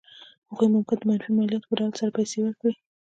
هغوی ممکن د منفي مالیاتو په ډول سره پیسې ورکړي.